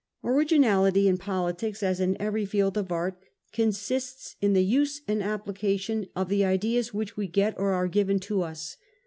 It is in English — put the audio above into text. Originality in politics, as in every field of art, consists in the use and application of the ideas which we get or are given to us.